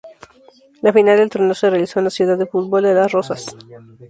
La final del torneo se realizó en la Ciudad del Fútbol de Las Rozas.